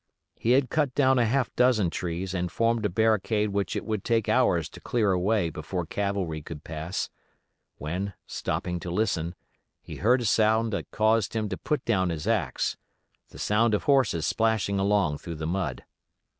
He had cut down a half dozen trees and formed a barricade which it would take hours to clear away before cavalry could pass, when, stopping to listen, he heard a sound that caused him to put down his axe: the sound of horses splashing along through the mud.